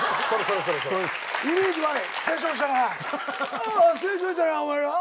あ成長したなぁお前らあ。